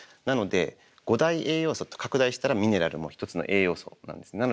なので５大栄養素って拡大したらミネラルも１つの栄養素なんです。